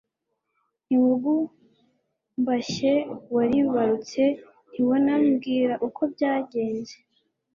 ntiwagumbashye waribarutse ntiwanambwira uko byangenze